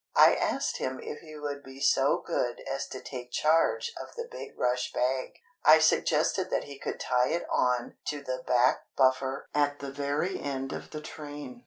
I asked him if he would be so good as to take charge of the big rush bag. I suggested that he could tie it on to the back buffer at the very end of the train.